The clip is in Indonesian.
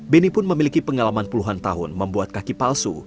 beni pun memiliki pengalaman puluhan tahun membuat kaki palsu